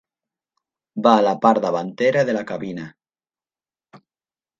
Va a la part davantera de la cabina.